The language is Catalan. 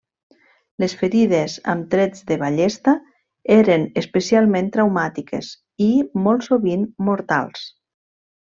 Les ferides amb trets de ballesta eren especialment traumàtiques i, molt sovint, mortals.